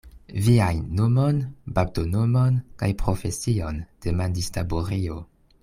Viajn nomon, baptonomon kaj profesion, demandis Taburio.